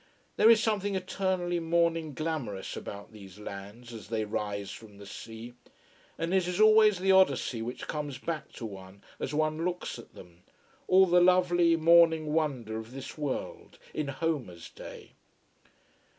There is something eternally morning glamourous about these lands as they rise from the sea. And it is always the Odyssey which comes back to one as one looks at them. All the lovely morning wonder of this world, in Homer's day!